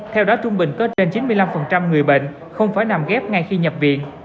theo đó trung bình có trên chín mươi năm người bệnh không phải nằm ghép ngay khi nhập viện